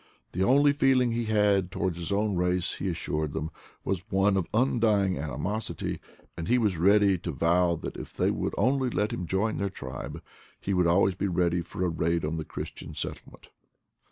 The only feeling he had towards his own race, he as sured them, was one of undying animosity; and he was ready to vow that if they would only let him join their tribe he would always be ready for a raid on the Christian settlement.